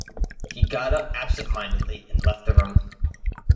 He got up absent-mindedly and left the room.